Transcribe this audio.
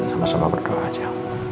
sama sama berdoa aja